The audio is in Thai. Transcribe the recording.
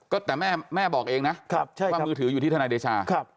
ก็แต่แม่บอกเองนะครับใช่ครับว่ามือถืออยู่ที่ทนายเดชาครับ